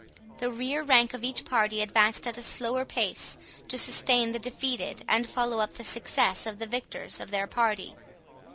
The rear rank of each party advanced at a slower pace to sustain the defeated, and follow up the success of the victors of their party.